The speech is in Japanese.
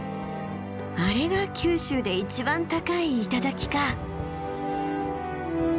あれが九州で一番高い頂か。